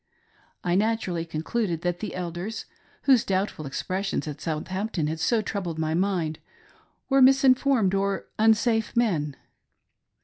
I naturally concluded that the Elders, whose doubtful expressions at Southampton had so troubled my mind, were misinformed or unsafe men.